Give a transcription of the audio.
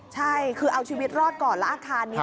ใช่คือเอาชีวิตรอดก่อนแล้วอาคารนี้